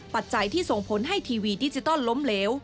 ปัจจัยที่ส่งผลให้ทีวีดิจิตอลล้มเหลว